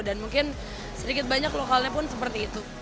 dan mungkin sedikit banyak lokalnya pun seperti itu